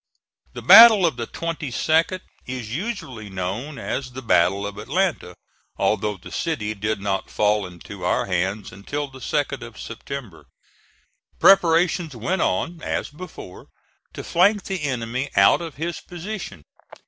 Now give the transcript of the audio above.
The battle of the 22d is usually known as the Battle of Atlanta, although the city did not fall into our hands until the 2d of September. Preparations went on, as before, to flank the enemy out of his position.